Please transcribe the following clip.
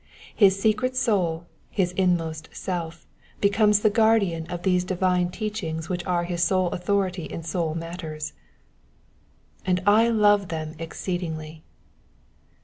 His secret soul, his inmost self, becomes the guardian of these divine teachings which are bis sole authority in soul matters. ^^And I lore them exceedingly.''''